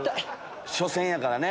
初戦やからね。